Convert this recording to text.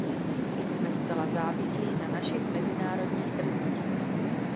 Jsme zcela závislí na našich mezinárodních trzích.